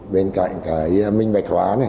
bên cạnh cái minh bạch hóa này